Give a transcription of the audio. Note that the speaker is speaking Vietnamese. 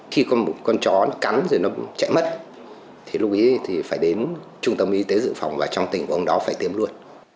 khi con chó cắn rồi nó chạy mất thì lúc ý thì phải đến trung tâm y tế dự phòng và trong tình của ông đó phải tiêm luôn